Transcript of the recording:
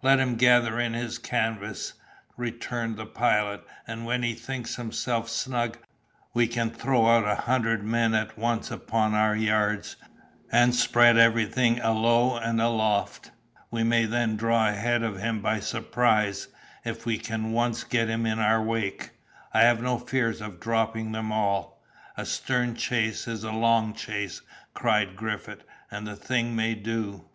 "Let him gather in his canvas," returned the Pilot; "and when he thinks himself snug, we can throw out a hundred men at once upon our yards, and spread everything alow and aloft; we may then draw ahead of him by surprise; if we can once get him in our wake, I have no fears of dropping them all." "A stern chase is a long chase," cried Griffith, "and the thing may do!